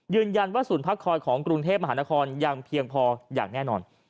ยืนยันว่าศูนย์พักคอยของกรุงเทพมหานครยังเพียงพออย่างแน่นอน